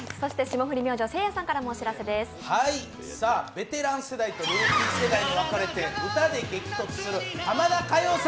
ベテラン世代と現役世代に分かれて歌で激突する「ハマダ歌謡祭」